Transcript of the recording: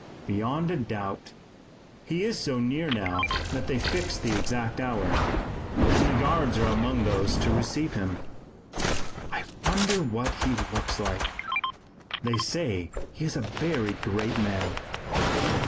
"Beyond a doubt. He is so near now that they fix the exact hour, and the Guards are among those to receive him." "I wonder what he looks like. They say he is a very great man."